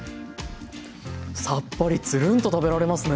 さっぱりつるんと食べられますね。